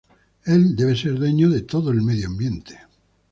Él debe ser dueño de todo el medio ambiente.